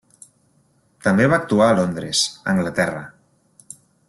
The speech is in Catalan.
També va actuar a Londres, Anglaterra.